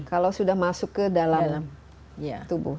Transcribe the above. kalau sudah masuk ke dalam tubuh